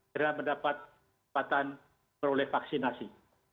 dengan mendapat kesempatan beroleh vaksinasi